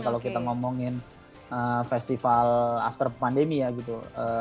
kalau kita ngomongin festival after pandemi ya gitu